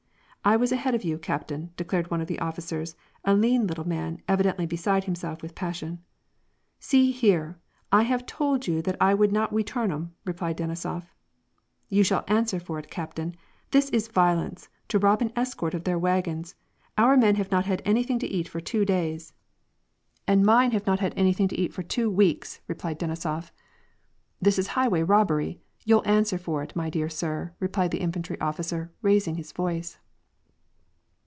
" I was ahead of you, captain," declared one of the officers, a lean little man, evidently beside himself with passion. " See here ! I have told you that I would not weturn 'em !" replied Denisof. " You shall answer for it, captain ; this is violence — to rob an escort of their wagons. Our men have not had anything to eat for two days." 182 WAR AND PEACE. " And mine have not had anything to eat for two weeks," replied Denisof. " This is highway robbery. You'll answer for it, my dear sir," repeated the infantry officer, raising his voice.